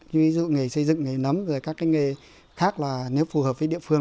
ví dụ như nghề xây dựng nghề nấm các nghề khác là nếu phù hợp với địa phương